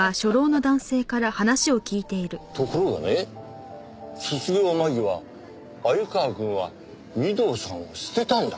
ところがね卒業間際鮎川くんは御堂さんを捨てたんだ。